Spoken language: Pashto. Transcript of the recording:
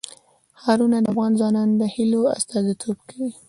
ښارونه د افغان ځوانانو د هیلو استازیتوب کوي.